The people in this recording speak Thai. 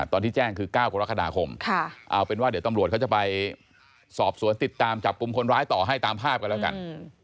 ตอนที่แจ้งคือ๙กรกฎาคมเอาเป็นว่าเดี๋ยวตำรวจเขาจะไปสอบสวนติดตามจับกลุ่มคนร้ายต่อให้ตามภาพกันแล้วกัน